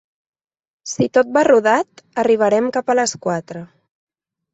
Si tot va rodat, arribarem cap a les quatre.